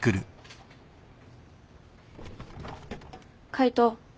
海斗。